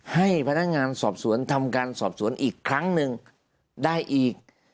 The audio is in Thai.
ให้พนักงานสอบสวนทำการสอบสวนอีกครั้งหนึ่งได้อีก